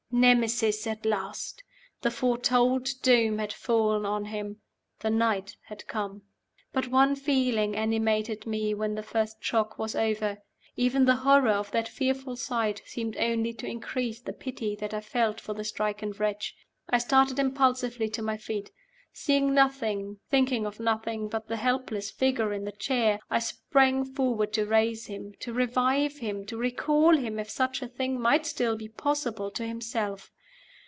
Nemesis at last! The foretold doom had fallen on him. The night had come. But one feeling animated me when the first shock was over. Even the horror of that fearful sight seemed only to increase the pity that I felt for the stricken wretch. I started impulsively to my feet. Seeing nothing, thinking of nothing but the helpless figure in the chair, I sprang forward to raise him, to revive him, to recall him (if such a thing might still be possible) to himself.